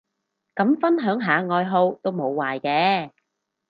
咁分享下愛好都無壞嘅